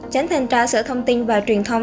chánh thanh tra sở thông tin và truyền thông